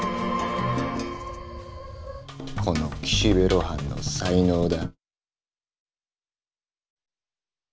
この岸辺露伴の才能だ。